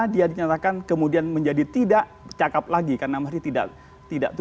dia dinyatakan kemudian menjadi tidak cakep lagi karena masih tidak tujuh belas tahun